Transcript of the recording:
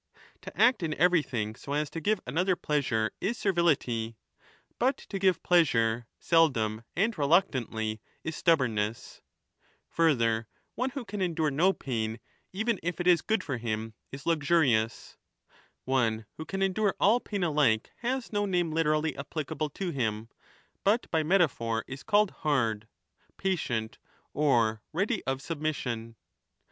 To act in everything so as to giv^e another pleasure is servility, but (to give pleasure seldom and reluctantly is stubbornnessT^ (Further, one who can endure no pain, even if it is good for him, is luxurious y) one who can endure all pain alike has no name literally 30 applicable to him, but by metaphor is called hard, patient, or ready of submission.